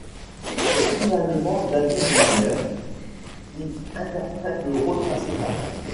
C'est finalement David Manners qui interprète le rôle principal.